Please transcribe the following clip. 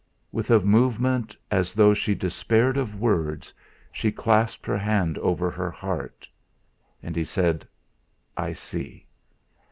With a movement, as though she despaired of words, she clasped her hands over her heart. And he said: "I see."